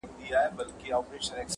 • ځکه وايي « چي خپل عیب د ولي منځ دی -